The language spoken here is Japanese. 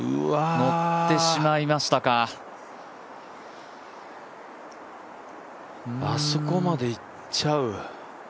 のってしまいましたかあそこまでいっちゃう。